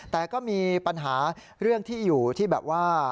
แต่ก็มีปัญหาเรื่องที่อยู่ที่แบบว่า